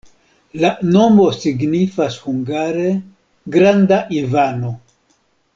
La nomo signifas hungare: granda Ivano.